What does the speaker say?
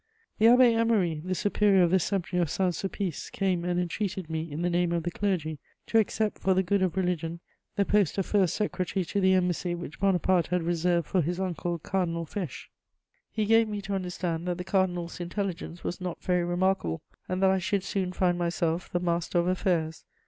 The Abbé Émery, the superior of the Seminary of Saint Sulpice, came and entreated me, in the name of the clergy, to accept, for the good of religion, the post of first secretary to the embassy which Bonaparte had reserved for his uncle, Cardinal Fesch. He gave me to understand that the cardinal's intelligence was not very remarkable and that I should soon find myself the master of affairs.